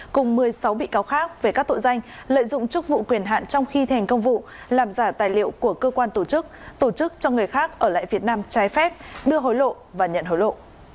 cùng một mươi sáu bị cáo khác về các tội danh lợi dụng chức vụ quyền hạn trong khi thành công vụ làm giả tài liệu của cơ quan tổ chức tổ chức cho người khác ở lại việt nam trái phép đưa hối lộ và nhận hối lộ